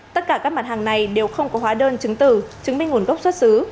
tất cả các mặt hàng này đều không có hóa đơn chứng từ chứng minh nguồn gốc xuất xứ